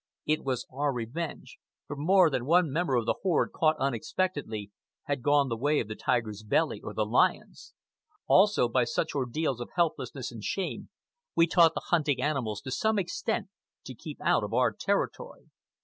It was our revenge; for more than one member of the horde, caught unexpectedly, had gone the way of the tiger's belly or the lion's. Also, by such ordeals of helplessness and shame, we taught the hunting animals to some extent to keep out of our territory.